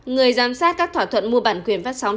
người giám sát các thỏa thuận mua bản quyền phát sóng